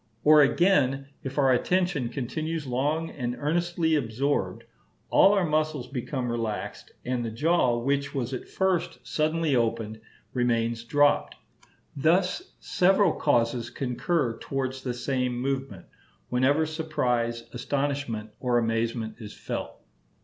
Or again, if our attention continues long and earnestly absorbed, all our muscles become relaxed, and the jaw, which was at first suddenly opened, remains dropped. Thus several causes concur towards this same movement, whenever surprise, astonishment, or amazement is felt.